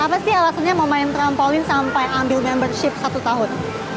apa sih alasannya mau main trampolin sampai ambil membership satu tahun